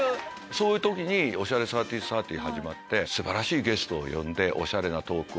そういう時に『オシャレ３０・３０』始まって素晴らしいゲストを呼んでおしゃれなトークを。